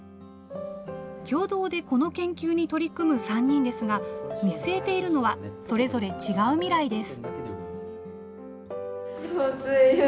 共同でこの研究に取り組む３人ですが見据えているのはそれぞれ違う未来です。